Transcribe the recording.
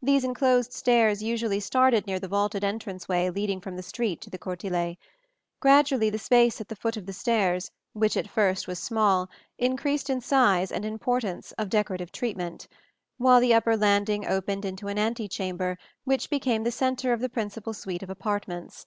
These enclosed stairs usually started near the vaulted entranceway leading from the street to the cortile. Gradually the space at the foot of the stairs, which at first was small, increased in size and in importance of decorative treatment; while the upper landing opened into an antechamber which became the centre of the principal suite of apartments.